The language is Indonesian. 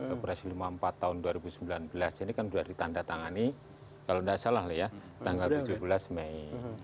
kepres lima puluh empat tahun dua ribu sembilan belas ini kan sudah ditandatangani kalau tidak salah loh ya tanggal tujuh belas mei